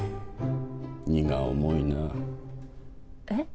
荷が重いなえっ？